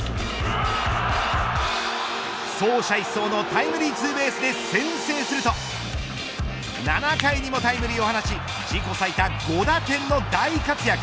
走者一掃のタイムリーツーベースで先制すると７回にもタイムリーを放ち自己最多５打点の大活躍。